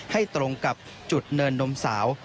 ตรงกับจุดเนินนมสาว